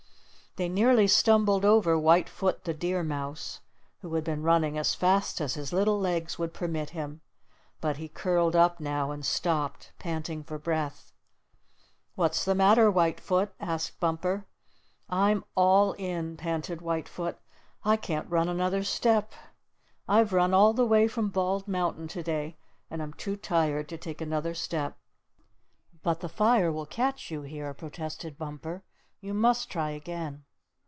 They nearly stumbled over White Foot the Deer Mouse, who had been running as fast as his little legs would permit him. But he curled up now, and stopped, panting for breath. "What's the matter, White Foot?" asked Bumper. "I'm all in," panted White Foot. "I can't run another step. I've run all the way from Bald Mountain today, and I'm too tired to take another step." "But the fire will catch you here," protested Bumper. "You must try again."